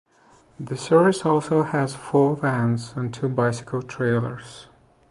The service also has four vans and two bicycle trailers.